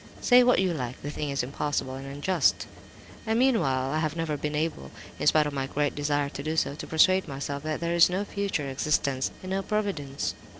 Say what you like—the thing is impossible and unjust! "And meanwhile I have never been able, in spite of my great desire to do so, to persuade myself that there is no future existence, and no Providence.